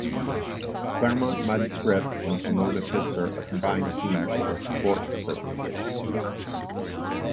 Claremont-Mudd-Scripps and Pomona-Pitzer are combined teams for sports purposes.